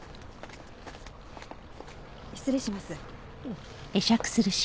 失礼します。